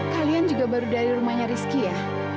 kalian juga baru dari rumahnya rizky ya